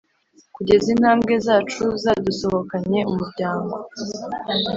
kugeza intambwe zacu zadusohokanye umuryango ...